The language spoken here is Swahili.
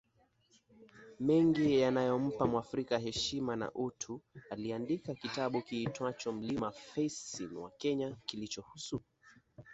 mengine yanayompa mwafrika heshima na UtuAliandika kitabu kiitwacho mlima Facing wa Kenya kilichohusu